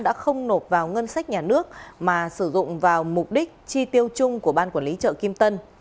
đã không nộp vào ngân sách nhà nước mà sử dụng vào mục đích chi tiêu chung của ban quản lý chợ kim tân